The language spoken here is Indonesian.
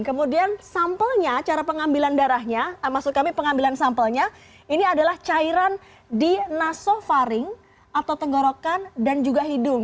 kemudian sampelnya cara pengambilan darahnya maksud kami pengambilan sampelnya ini adalah cairan di nasofaring atau tenggorokan dan juga hidung